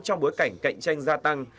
trong bối cảnh cạnh tranh gia tăng